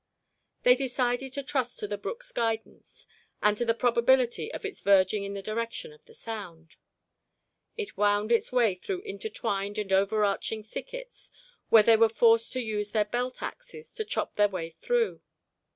They decided to trust to the brook's guidance and to the probability of its verging in the direction of the sound. It wound its way through intertwined and over arching thickets where they were forced to use their belt axes to chop their way through.